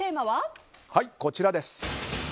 はい、こちらです。